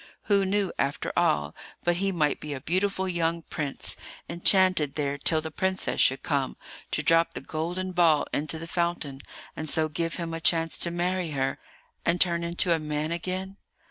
Who knew, after all, but he might be a beautiful young prince, enchanted there till the princess should come to drop the golden ball into the fountain, and so give him a chance to marry her and turn into a man again?